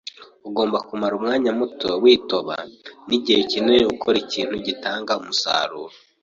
Ugomba kumara umwanya muto witoba nigihe kinini ukora ikintu gitanga umusaruro.